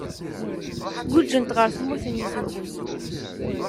Guǧǧen ɣer Tmurt n Yizwawen.